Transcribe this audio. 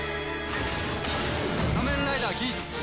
『仮面ライダーギーツ』！